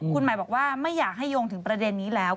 คุณหมายบอกว่าไม่อยากให้โยงถึงประเด็นนี้แล้ว